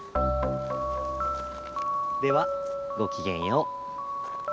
ではごきげんよう。